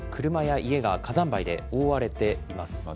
車や家が火山灰で覆われています。